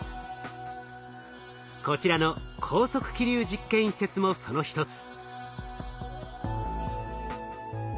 こちらの高速気流実験施設もその一つ。